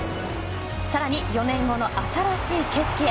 更に４年後の新しい景色へ。